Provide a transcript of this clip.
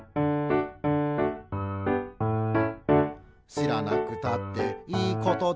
「しらなくたっていいことだけど」